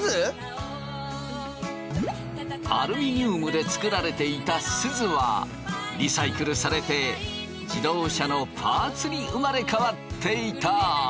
アルミニウムで作られていたすずはリサイクルされて自動車のパーツに生まれ変わっていた！